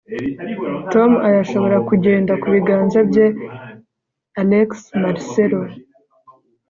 Tom arashobora kugenda ku biganza bye alexmarcelo